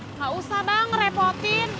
nggak usah bang ngerepotin